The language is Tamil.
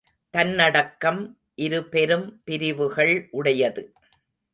தன்னடக்கம் இரு பெரும் பிரிவுகள் உடையது.